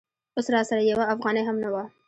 اوس راسره یوه افغانۍ هم نه وه.